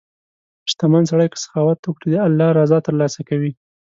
• شتمن سړی که سخاوت وکړي، د الله رضا ترلاسه کوي.